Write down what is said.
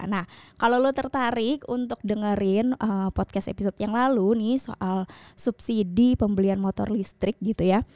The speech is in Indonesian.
nah kalau lo tertarik untuk dengerin podcast episode yang lalu nih soal subsidi pembelian motor listrik gitu ya